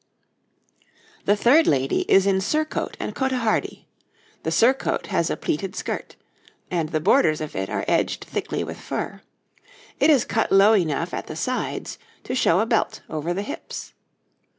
The third lady is in surcoat and cotehardie; the surcoat has a pleated skirt, and the borders of it are edged thickly with fur; it is cut low enough at the sides to show a belt over the hips.